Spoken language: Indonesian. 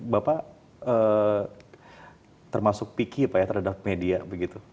bapak termasuk pikir terhadap media begitu